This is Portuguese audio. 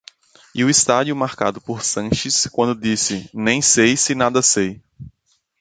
e o estádio marcado por Sanches, quando disse «nem sei se nada sei».